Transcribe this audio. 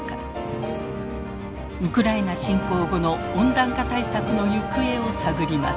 ウクライナ侵攻後の温暖化対策の行方を探ります。